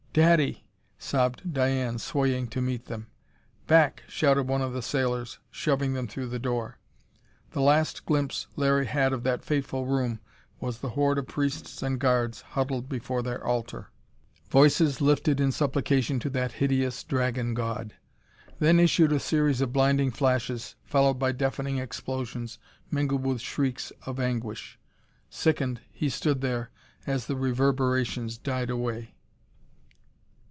"Daddy!" sobbed Diane, swaying to meet them. "Back!" shouted one of the sailors, shoving them through the door. The last glimpse Larry had of that fateful room was the horde of priests and guards huddled before their altar, voices lifted in supplication to that hideous dragon god. Then issued a series of blinding flashes followed by deafening explosions, mingled with shrieks of anguish. Sickened, he stood there, as the reverberations died away.